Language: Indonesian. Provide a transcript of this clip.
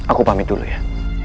aku pamit dulu ya